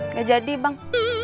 gak jadi bang